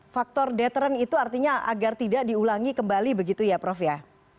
faktor deteren itu artinya agar tidak diulangi kembali begitu ya prof ya